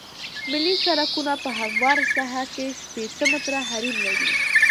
ملي سرکونه په همواره ساحه کې شپیته متره حریم لري